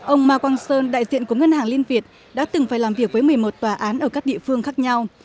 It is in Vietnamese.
ông ma quang sơn đại diện của ngân hàng liên việt đã từng phải làm việc với một mươi một tòa án ở các địa phương khác nhau